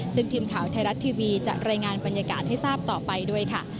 ซึ่งทีมข่าวไทยรัฐทีวีจะรายงานบรรยากาศให้ทราบต่อไปด้วยค่ะ